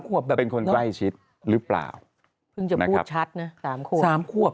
ว่าเป็นคนใกล้ชิดหรือเปล่า๓ควบ